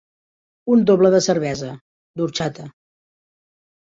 Un doble de cervesa, d'orxata.